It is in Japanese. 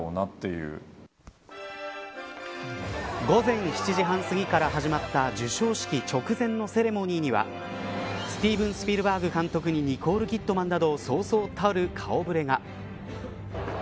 午前７時半すぎから始まった授賞式直前のセレモニーにはスティーブン・スピルバーグ監督にニコール・キッドマンなどそうそうたる顔触れが。